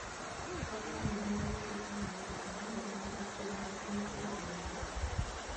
সরকার রোহিঙ্গাদের দেশের নাগরিক নয়, বরং বিদেশি অভিবাসী হিসেবে গণ্য করে থাকে।